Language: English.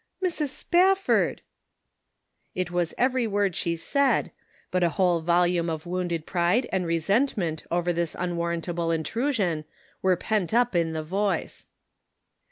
"Mrs. Spafford!" It was every word she said, but a whole volume of wounded pride and resentment over this unwarrantable intrusion were pent up in the voice.